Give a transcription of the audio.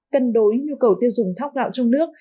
cân đối nhu cầu tiêu dùng thóc gạo trong nước